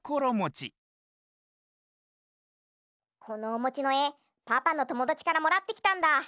このおもちのえパパのともだちからもらってきたんだ。